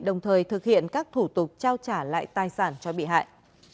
đồng thời thực hiện các thủ tục trao trả lại tài sản cho bị hại